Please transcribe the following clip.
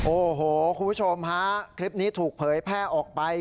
โอ้โหคุณผู้ชมฮะคลิปนี้ถูกเผยแพร่ออกไป